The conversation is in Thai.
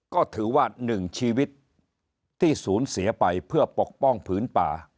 ก็ถือว่าหนึ่งชีวิตที่สูญเสียไปเพื่อปกป้องผืนป่า